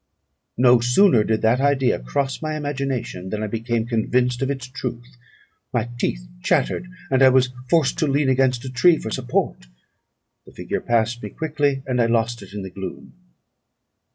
No sooner did that idea cross my imagination, than I became convinced of its truth; my teeth chattered, and I was forced to lean against a tree for support. The figure passed me quickly, and I lost it in the gloom.